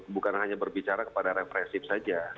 bukan hanya berbicara kepada represif saja